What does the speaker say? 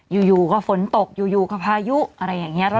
อยู่ก็ฝนตกอยู่กับพายุอะไรอย่างนี้